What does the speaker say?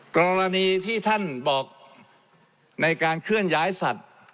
กรณีที่ท่านบอกในการเคลื่อนย้ายสัตว์